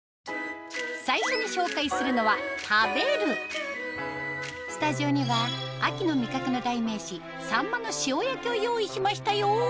最初に紹介するのはスタジオには秋の味覚の代名詞を用意しましたよ